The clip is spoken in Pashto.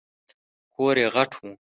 کور یې غټ و .